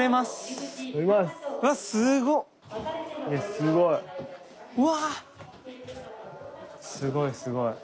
すごいすごい。